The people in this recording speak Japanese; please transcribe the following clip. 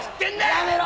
やめろ！